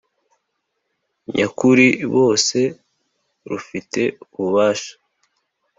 nyakuri bose Rufite ububasha